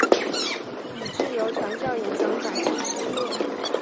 以自由传教隐藏反清事业。